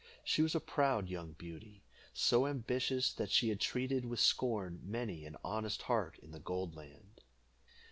She was a proud young beauty, so ambitious, that she had treated with scorn many an honest heart in the Gold Land.